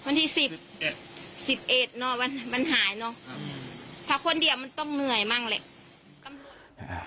๑๑เนอะมันหายเนอะถ้าคนเดียวมันต้องเหนื่อยมั่งเลย